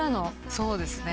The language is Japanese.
そうですね。